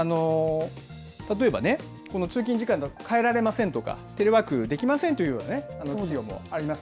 例えばこの通勤時間が変えられませんとか、テレワークできませんというような企業もあります。